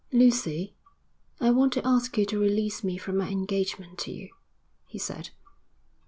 'Lucy, I want to ask you to release me from my engagement to you,' he said.